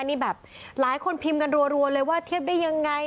นี่แบบหลายคนพิมพ์กันรัวเลยว่าเทียบได้ยังไง